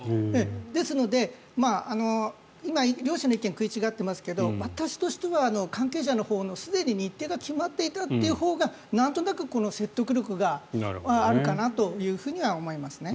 ですので、今両者の意見が食い違ってますが私としては関係者のほうのすでに日程が決まっていたというほうがなんとなく説得力があるかなというふうには思いますね。